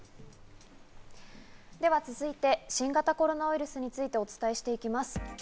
では続いて新型コロナウイルスについてお伝えしていきます。